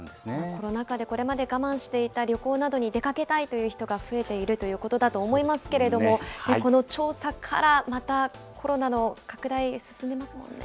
コロナ禍でこれまで我慢していた旅行などに出かけたいという人が増えているということだと思いますけれども、この調査からまたコロナの拡大、進んでますもんね。